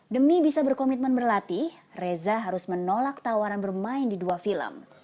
demi bisa berkomitmen berlatih reza harus menolak tawaran bermain di dua film